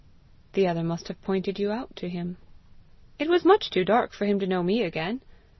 "The other must have pointed you out to him!" "It was much too dark for him to know me again!"